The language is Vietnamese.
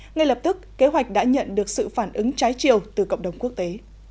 ngay lập tức kế hoạch đã nhận được sự phản ứng trái chiều từ cộng đồng quốc tế